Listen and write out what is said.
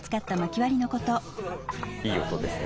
いい音ですね。